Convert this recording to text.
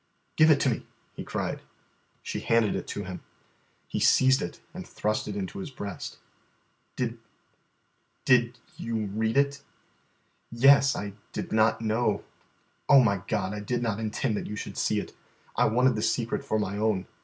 "Give it to me," he cried. She handed it to him. He seized it and thrust it into his breast. "Did did you read it?" "Yes, I did not know " "Oh, my God, I did not intend that you should see it. I wanted the secret for my own.